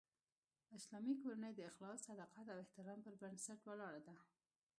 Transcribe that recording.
اسلامي کورنۍ د اخلاص، صداقت او احترام پر بنسټ ولاړه ده